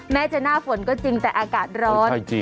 แม้จะหน้าฝนก็จริงแต่อากาศร้อน